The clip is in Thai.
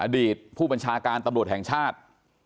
อดีตผู้บัญชาการตำรวจแห่งชาติ